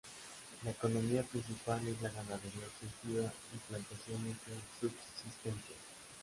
La economía principal es la ganadería extensiva y plantaciones de subsistencia.